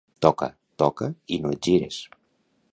Toca, toca, i no et gires.